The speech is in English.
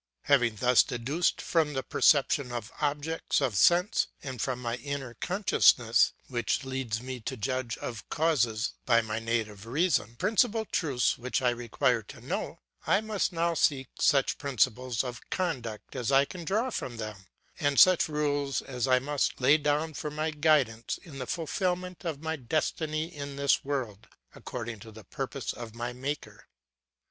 Having thus deduced from the perception of objects of sense and from my inner consciousness, which leads me to judge of causes by my native reason, the principal truths which I require to know, I must now seek such principles of conduct as I can draw from them, and such rules as I must lay down for my guidance in the fulfilment of my destiny in this world, according to the purpose of my Maker.